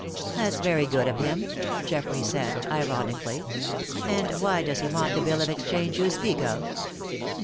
"That's very good of him," Geoffrey said, ironically. "And why does he want the bill of exchange you speak of?"